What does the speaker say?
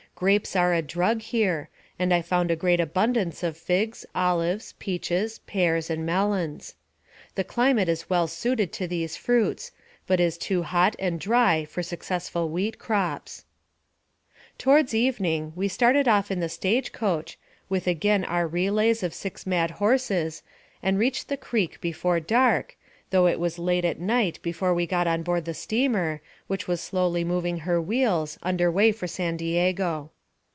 Grapes are a drug here, and I found a great abundance of figs, olives, peaches, pears, and melons. The climate is well suited to these fruits, but is too hot and dry for successful wheat crops. Towards evening, we started off in the stage coach, with again our relays of six mad horses, and reached the creek before dark, though it was late at night before we got on board the steamer, which was slowly moving her wheels, under way for San Diego.